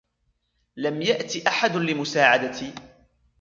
لم يأت أحد لمساعدتي.